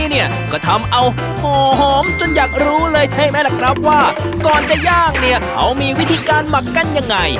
เนี่ยก็ทำเอาหอมจนอยากรู้เลยใช่ไหมล่ะครับว่าก่อนจะย่างเนี่ยเขามีวิธีการหมักกันยังไง